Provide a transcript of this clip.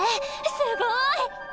すごい！